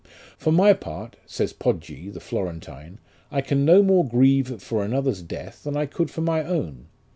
"For my part," says Poggi, the Florentine, "I can no more grieve for another's death than I could for my own.